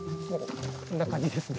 こんな感じですね。